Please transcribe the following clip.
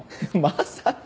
まさか！